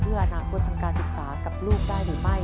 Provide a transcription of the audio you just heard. เพื่ออนาคตทางการศึกษากับลูกได้หรือไม่